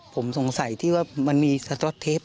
ผมสงสัยที่ว่ามันมีสต๊อตเทป